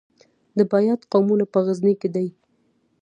د بیات قومونه په غزني کې دي